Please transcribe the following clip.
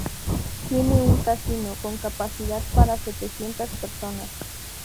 Tiene un casino con capacidad para setecientas personas.